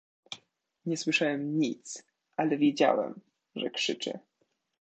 "Nie słyszałem nic, ale wiedziałem, że krzyczy."